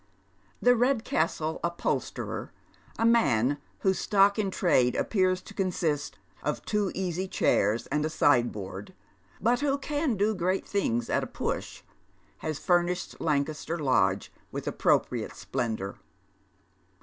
The Redcastle upholsterer, a man whose stocfe m trade appears to consist of two easy chairs and a sideboard — but who can do i^ eat things at a push, — has furnished Lancaster Lodge with appropriate splendour.